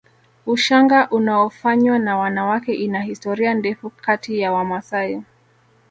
Ushanga unaofanywa na wanawake ina historia ndefu kati ya Wamasai